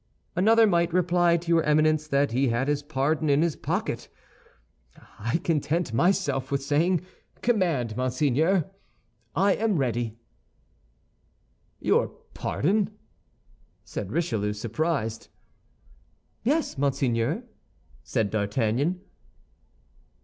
"Another might reply to your Eminence that he had his pardon in his pocket. I content myself with saying: Command, monseigneur; I am ready." "Your pardon?" said Richelieu, surprised. "Yes, monseigneur," said D'Artagnan.